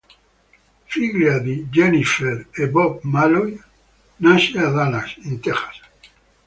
Figlia di Bob e Jennifer Malloy, nasce a Dallas, in Texas.